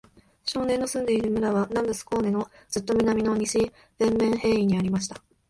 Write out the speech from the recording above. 少年の住んでいる村は、南部スコーネのずっと南の、西ヴェンメンヘーイにありました。